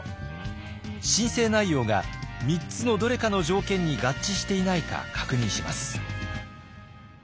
申請内容が３つのどれかの条件に合致していないか確認します。